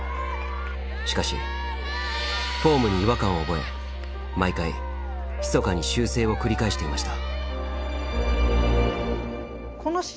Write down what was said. しかしフォームに違和感を覚え毎回ひそかに修正を繰り返していました。